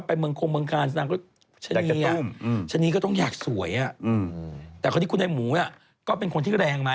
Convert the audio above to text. เพราะว่าเขาไม่สไตล์เขานะ